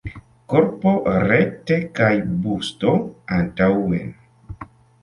Korpo rekte kaj busto antaŭen.